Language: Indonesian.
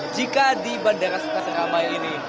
jika di bandara sekolah seramai ini